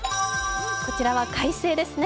こちらは快晴ですね。